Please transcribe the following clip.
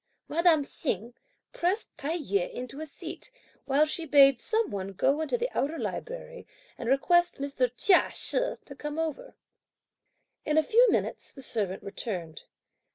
Madame Hsing pressed Tai yü into a seat, while she bade some one go into the outer library and request Mr. Chia She to come over. In a few minutes the servant returned.